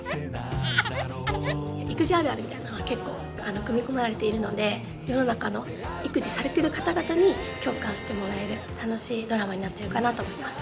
育児あるあるみたいなのが結構組み込まれているので世の中の育児されてる方々に共感してもらえる楽しいドラマになってるかなと思います。